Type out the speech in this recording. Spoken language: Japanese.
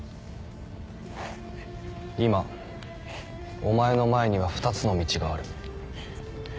今お前の前には２つの道がある。